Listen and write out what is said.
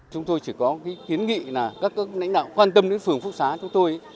chúng tôi chỉ có kiến nghị là các lãnh đạo quan tâm đến phường phúc xá chúng tôi